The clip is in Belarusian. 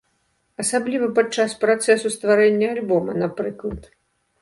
Асабліва падчас працэсу стварэння альбома, напрыклад.